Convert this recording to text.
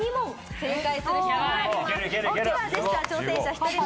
正解！